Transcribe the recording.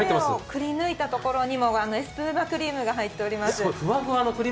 くり抜いたところにもエスプーマクリームが入っています。